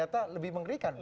jadi saya ingin mengatakan